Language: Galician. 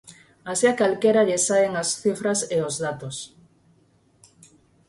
Así a calquera lle saen as cifras e os datos.